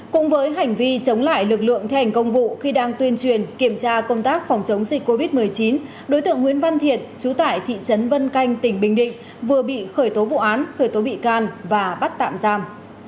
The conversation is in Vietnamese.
cũng với hành vi chống lại lực lượng thi hành công vụ khi đang tuyên truyền kiểm tra công tác phòng chống dịch covid một mươi chín đối tượng nguyễn văn thiện chú tại thị trấn vân canh tỉnh bình định vừa bị khởi tố vụ án khởi tố bị can và bắt tạm giam